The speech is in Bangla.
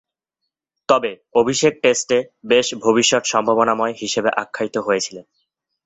তবে, অভিষেক টেস্টে বেশ ভবিষ্যৎ সম্ভাবনাময় হিসেবে আখ্যায়িত হয়েছিলেন।